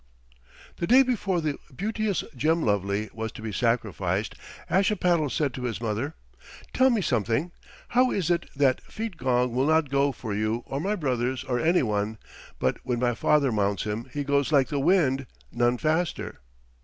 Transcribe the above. The day before the beauteous Gemlovely was to be sacrificed Ashipattle said to his mother, "Tell me something; how is it that Feetgong will not go for you or my brothers or any one, but when my father mounts him he goes like the wind, none faster?"